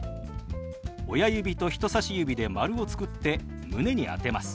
親指と人さし指で丸を作って胸に当てます。